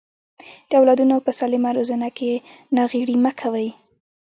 د اولادونو په سالمه روزنه کې ناغيړي مکوئ.